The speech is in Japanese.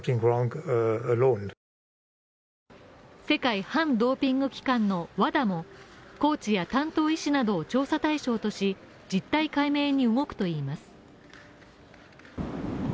世界反ドーピング機関のＷＡＤＡもコーチや担当医師などを調査対象とし実態解明に動くといいます。